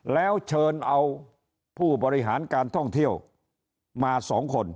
แล้วเชิญเอาผู้บริหารการท่องเที่ยวมา๒คน